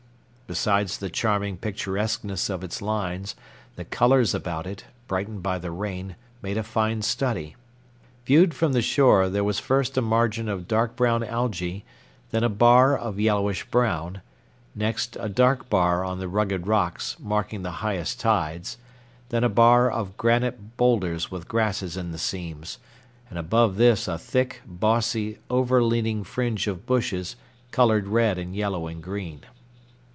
Besides the charming picturesqueness of its lines, the colors about it, brightened by the rain, made a fine study. Viewed from the shore, there was first a margin of dark brown algæ, then a bar of yellowish brown, next a dark bar on the rugged rocks marking the highest tides, then a bar of granite boulders with grasses in the seams, and above this a thick, bossy, overleaning fringe of bushes colored red and yellow and green.